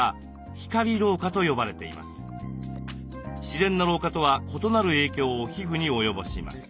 自然な老化とは異なる影響を皮膚に及ぼします。